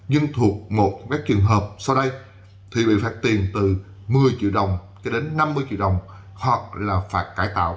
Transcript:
nhưng thuộc một các trường hợp sau đây thì bị phạt tiền từ một mươi triệu đồng cho đến năm mươi triệu đồng hoặc là phạt cải tạo